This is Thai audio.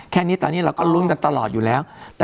แค่นี้ตอนนี้เราก็ลุ้นกันตลอดอยู่แล้ว